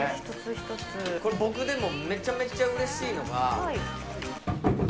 これ、僕でもめちゃめちゃうれしいのが。